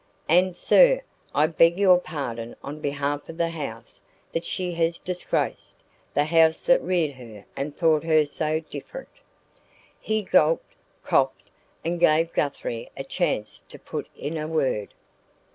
And, sir, I beg your pardon on behalf of the house that she has disgraced the house that reared her and thought her so different " He gulped, coughed, and gave Guthrie a chance to put in a word.